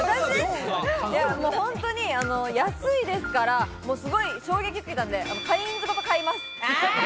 本当に安いですから、すごい衝撃受けたんで、カインズごと買います。